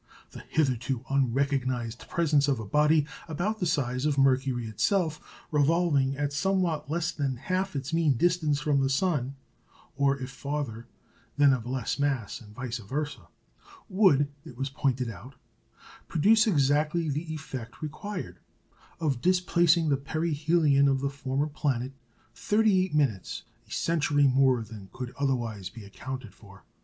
The hitherto unrecognised presence of a body about the size of Mercury itself revolving at somewhat less than half its mean distance from the sun (or, if farther, then of less mass, and vice versâ), would, it was pointed out, produce exactly the effect required, of displacing the perihelion of the former planet 38" a century more than could otherwise be accounted for.